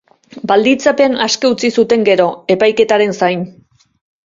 Baldintzapean aske utzi zuten gero, epaiketaren zain.